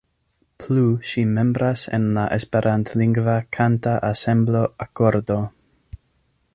Plu ŝi membras en la esperantlingva kanta ensemblo Akordo.